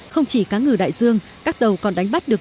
không chỉ cá ngừ đại dương các tàu còn đánh bắt được